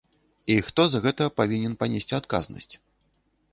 І хто за гэта павінен панесці адказнасць?